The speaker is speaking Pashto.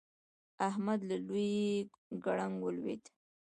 احمد له لوی ګړنګ ولوېد.